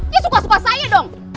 ya suka suka saya dong